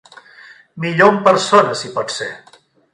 Millor en persona, si pot ser.